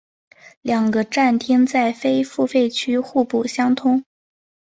两个站厅在非付费区互不相通。